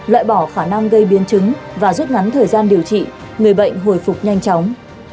loại bỏ khả năng gây biến chứng và rút ngắn thời gian điều trị người bệnh hồi phục nhanh chóng